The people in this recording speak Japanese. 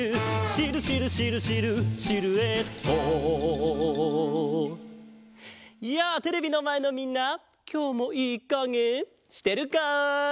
「シルシルシルシルシルエット」やあテレビのまえのみんなきょうもいいかげしてるか？